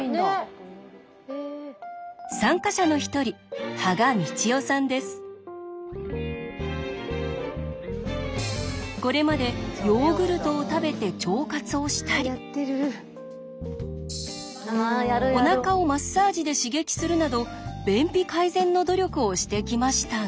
参加者の一人これまでヨーグルトを食べて腸活をしたりおなかをマッサージで刺激するなど便秘改善の努力をしてきましたが。